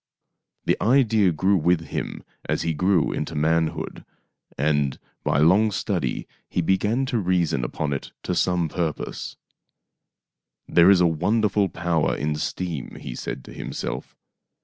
The idea grew with him as he grew into manhood, and by long study he began to reason upon it to some purpose. " There is a wonderful power in steam," he said to himself.